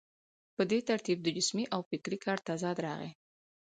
په دې ترتیب د جسمي او فکري کار تضاد راغی.